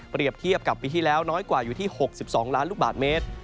เทียบกับปีที่แล้วน้อยกว่าอยู่ที่๖๒ล้านลูกบาทเมตร